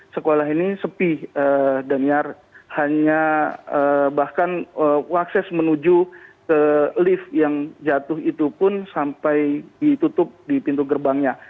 sekolah ini sepi daniar hanya bahkan akses menuju lift yang jatuh itu pun sampai ditutup di pintu gerbangnya